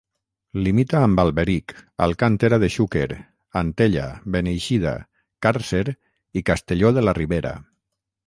Limita amb Alberic, Alcàntera de Xúquer, Antella, Beneixida, Càrcer i Castelló de la Ribera.